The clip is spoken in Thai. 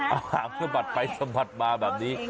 อ้างปาดไปสะบัดมาแบบนี้